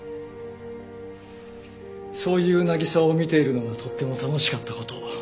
そういう渚を見ているのがとっても楽しかった事。